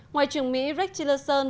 ngoại trưởng mỹ rex tillerson